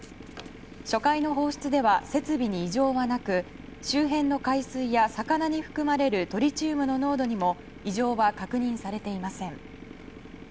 初回の放出では設備に異常はなく周辺の海水や魚に含まれるトリチウムの濃度にも異常は確認されていません。